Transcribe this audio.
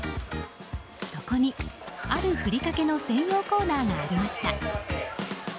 そこに、あるふりかけの専用コーナーがありました。